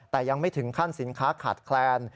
แต่ยังไม่ถึงขั้นสินค้าขาดแคลน